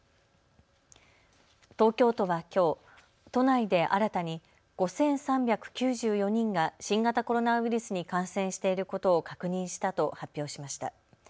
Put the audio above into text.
東京都はきょう、都内で新たに５３９４人が新型コロナウイルスに感染していることを確認したと発表しました。